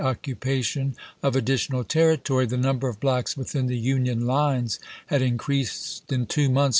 occupation of additional territory, the number of v^ivi., blacks within the Union lines had increased in two ^^" 223'.